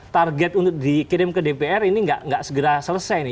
target untuk dikirim ke dpr ini tidak segera selesai